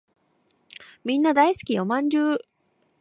みんな大好きお饅頭